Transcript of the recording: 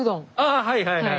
あはいはいはい。